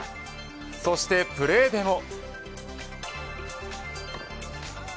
そしてプレイでも。